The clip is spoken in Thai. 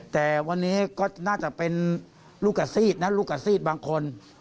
แต่วันนี้ก็น่าจะเป็นลูกกับซีดนะลูกกับซีดบางคน